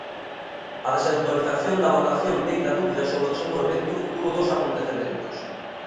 A desautorización da votación deita dúbidas sobre o desenvolvemento futuro dos acontecementos.